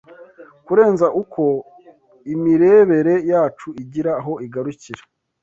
kurenza uko imirebere yacu igira aho igarukira